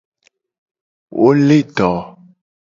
Wo le do.